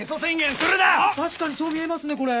確かにそう見えますねこれ。